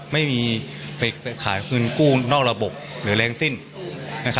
ไม่มีไปขายเงินกู้นอกระบบหรือแรงสิ้น